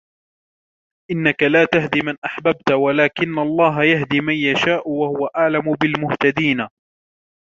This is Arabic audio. إنك لا تهدي من أحببت ولكن الله يهدي من يشاء وهو أعلم بالمهتدين